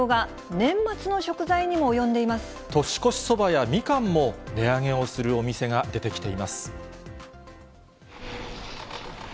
年越しそばやみかんも、値上げをするお店が出てきています。